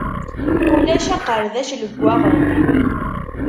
Ulac aqerdac leggaɣen.